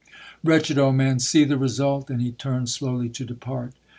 Wretched old man—see the result!'—and he turned slowly to depart.